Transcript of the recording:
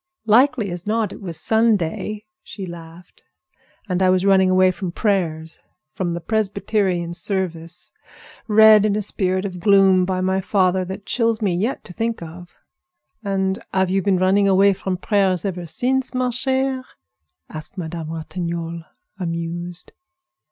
"Likely as not it was Sunday," she laughed; "and I was running away from prayers, from the Presbyterian service, read in a spirit of gloom by my father that chills me yet to think of." "And have you been running away from prayers ever since, ma chère?" asked Madame Ratignolle, amused.